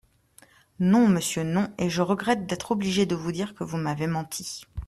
Non, monsieur, non, et je regrette d'être obligé de vous dire que vous m'avez menti.